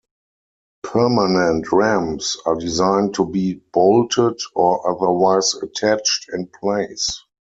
Permanent ramps are designed to be bolted or otherwise attached in place.